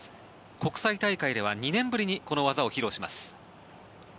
国際大会では２年ぶりにこの技を披露します。